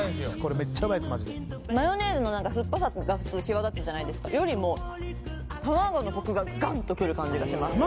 めっちゃうまいんすよマヨネーズの酸っぱさが普通際立つじゃないですかよりも卵のコクがガンとくる感じがします